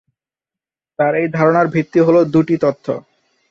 তাঁর এই ধারণার ভিত্তি হল দু’টি তথ্য।